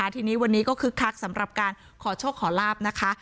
ทีนี้วันนี้ก็คึกคักสำหรับการขอโชคขอลาบนะคะ